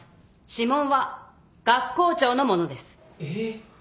指紋は学校長のものです。